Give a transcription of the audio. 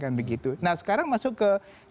nah sekarang masuk ke satu ratus lima puluh enam